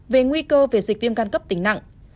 về nguy cơ về dịch viêm gan cấp tính nặng